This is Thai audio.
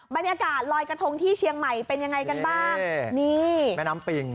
บรรยากาศลอยกระทงที่เชียงใหม่เป็นยังไงกันบ้างนี่แม่น้ำปิง